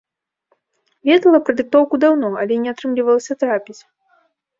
Ведала пра дыктоўку даўно, але не атрымлівалася трапіць.